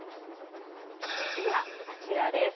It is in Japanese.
次はあちらです。